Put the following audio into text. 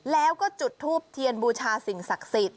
แล้วก็จุดทูบเทียนบูชาสิ่งศักดิ์สิทธิ